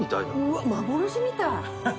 うわっ幻みたい。